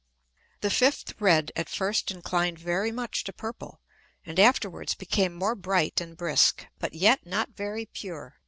The fifth red at first inclined very much to purple, and afterwards became more bright and brisk, but yet not very pure.